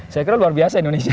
saya kira luar biasa indonesia